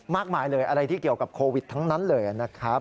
มากมายเลยอะไรที่เกี่ยวกับโควิดทั้งนั้นเลยนะครับ